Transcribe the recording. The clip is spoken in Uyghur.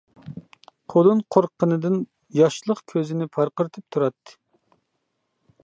قۇلۇن قورققىنىدىن ياشلىق كۆزىنى پارقىرىتىپ تۇراتتى.